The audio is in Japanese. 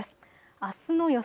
あすの予想